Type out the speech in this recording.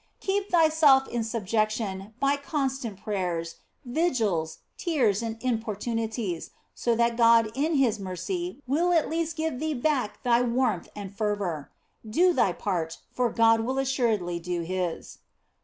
Keep thyself in subjection io8 THE BLESSED ANGELA by constant prayers, vigils, tears, and importunities, so that God in His mercy will at last give thee back thy warmth and fervour. Do thy part, for God will assuredly do His.